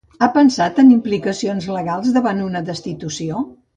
Ha pensat en implicacions legals davant d'una destitució?